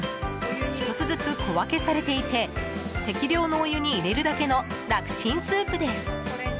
１つずつ小分けされていて適量のお湯に入れるだけの楽ちんスープです。